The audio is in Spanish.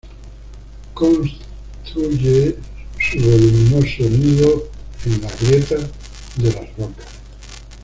Construye su voluminoso nido en las grietas de las rocas.